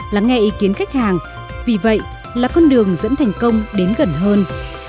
lắng nghe ý kiến khách hàng vì vậy là con đường dẫn thành công đến gần hơn